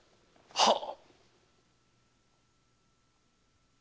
はっ！